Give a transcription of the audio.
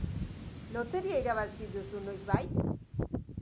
Loteria irabazi duzu noizbait?